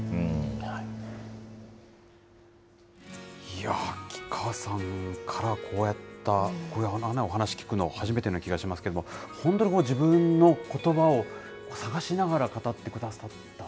いやー、吉川さんからこういうお話を聞くの、初めてな気がしますけれども、本当に自分のことばを探しながら語ってくださった。